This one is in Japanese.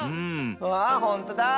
わあほんとだ！